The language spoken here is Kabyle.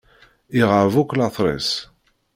Iɣab akk later-is.